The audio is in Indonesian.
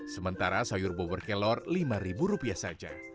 sementara sayur bobor kelor lima ribu rupiah saja